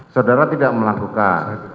saudara tidak melakukan